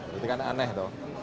berarti kan aneh tuh